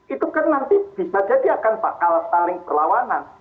itu kan nanti bisa jadi akan bakal saling berlawanan